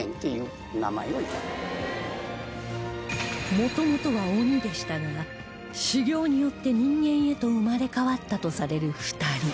もともとは鬼でしたが修行によって人間へと生まれ変わったとされる２人